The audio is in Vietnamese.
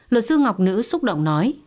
luật sư ngọc nữ xúc động nói